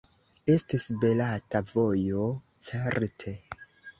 Estis beleta vojo, certe!